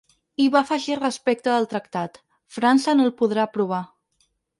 I va afegir respecte del tractat: ‘França no el podrà aprovar’.